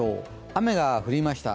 雨が降りました。